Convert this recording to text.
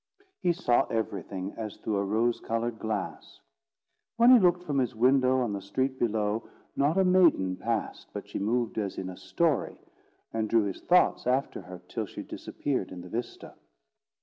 He saw everything as through a rose coloured glass. When he looked from his window on the street below, not a maiden passed but she moved as in a story, and drew his thoughts after her till she disappeared in the vista.